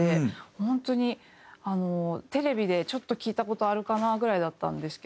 本当にあのテレビでちょっと聴いた事あるかなぐらいだったんですけど。